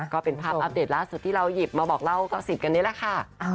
ก็เป็นภาพอัปเดตล่าสุดที่เราหยิบมาบอกเล่าต่อสิทธิ์กันนี่แหละค่ะ